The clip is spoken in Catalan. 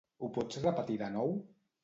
Ho pots repetir de nou?